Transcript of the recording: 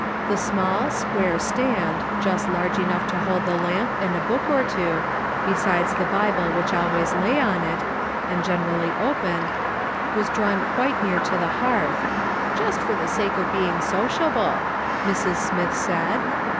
The small, square 264 MRS. SOLOMON SMITH LOOKING ON. Stand, just larrje enout^h to liold the lamp and a book or two, besides the Lible wliich always lay on it, and generally open, was drawn (juite near to tho hearth, "just for the sake of being sociable," Mrs. Smith said.